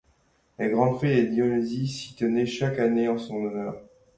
Les grandes fêtes des Dionysies s'y tenaient chaque année en son honneur.